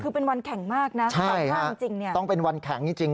คือเป็นวันแข็งมากนะสำคัญจริงเนี่ยใช่ต้องเป็นวันแข็งจริง